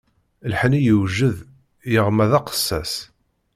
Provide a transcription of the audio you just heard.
Lḥenni yewjed, yeɣma d aqessas.